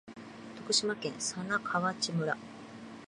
徳島県佐那河内村